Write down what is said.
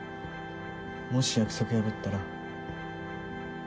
もし約束破ったら。